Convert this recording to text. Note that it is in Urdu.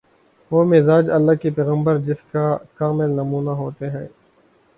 وہ مزاج‘ اللہ کے پیغمبر جس کا کامل نمونہ ہوتے ہیں۔